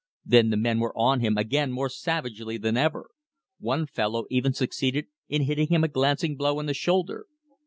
Then the men were on him again more savagely than ever. One fellow even succeeded in hitting him a glancing blow on the shoulder.